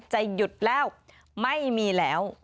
จะหยุดแล้วไม่มีแล้ว